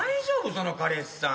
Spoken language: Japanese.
その彼氏さん。